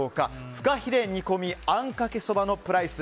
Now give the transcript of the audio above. フカヒレ煮込みあんかけそばのプライス。